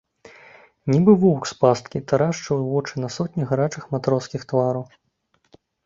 Нібы воўк з пасткі, тарашчыў вочы на сотні гарачых матроскіх твараў.